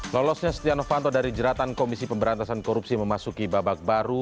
lolosnya setia novanto dari jeratan komisi pemberantasan korupsi memasuki babak baru